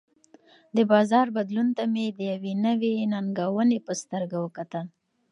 د بازار بدلون ته مې د یوې نوې ننګونې په سترګه وکتل.